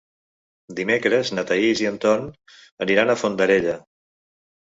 Dimecres na Thaís i en Ton aniran a Fondarella.